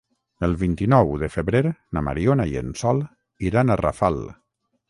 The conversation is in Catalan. El vint-i-nou de febrer na Mariona i en Sol iran a Rafal.